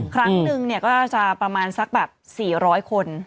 ครั้งหนึ่งก็จะประมาณสักแบบ๔๐๐คน